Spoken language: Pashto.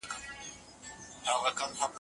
هغې هېڅکله خپل کار ته زیان ونه رسولو.